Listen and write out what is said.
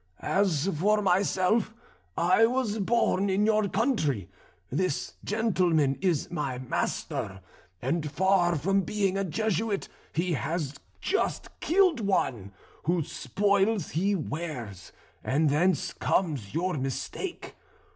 As for myself, I was born in your country; this gentleman is my master, and, far from being a Jesuit, he has just killed one, whose spoils he wears; and thence comes your mistake.